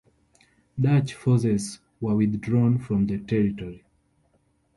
Dutch forces were withdrawn from the territory.